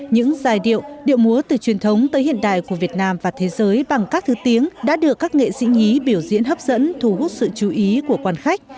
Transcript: những giai điệu điệu múa từ truyền thống tới hiện đại của việt nam và thế giới bằng các thứ tiếng đã được các nghệ sĩ nhí biểu diễn hấp dẫn thu hút sự chú ý của quan khách